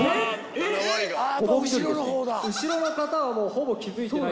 えっ⁉後ろの方はほぼ気付いてない。